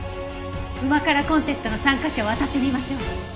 旨辛コンテストの参加者をあたってみましょう。